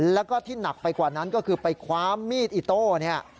แล้วก็ที่หนักไปกว่านั้นก็คือไปคว้ามีดอิโต้เนี่ย